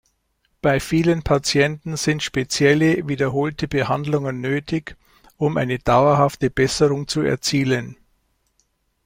Bei vielen Patienten sind spezielle wiederholte Behandlungen nötig, um eine dauerhafte Besserung zu erzielen.